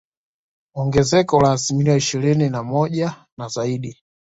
Ongezeko la asilimia ishirini na moja na zaidi